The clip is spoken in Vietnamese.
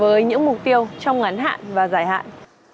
với những mục tiêu trong ngắn hạn và dài hạn